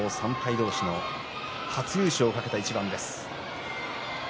同士の初優勝を懸けた一番です。